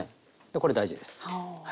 これ大事です。は。